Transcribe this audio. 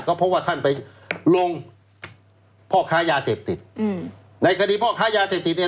เพราะว่าท่านไปลงพ่อค้ายาเสพติดอืมในคดีพ่อค้ายาเสพติดเนี่ย